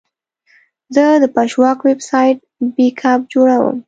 زه د پژواک ویب سایټ بیک اپ جوړوم.